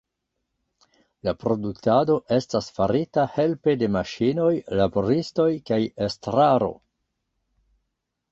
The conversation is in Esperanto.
La produktado estas farita helpe de maŝinoj, laboristoj kaj estraro.